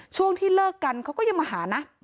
ช่วงที่เลิกกันเขาก็ยังมาหานะ